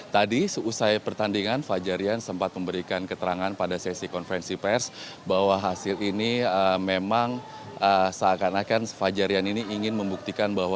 tadi seusai pertandingan fajar rian sempat memberikan keterangan pada sesi konferensi pers bahwa hasil ini memang seakan akan fajar rian ini ingin membuktikan bahwa